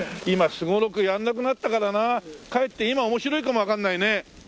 今すごろくやらなくなったからなかえって今面白いかもわかんないね。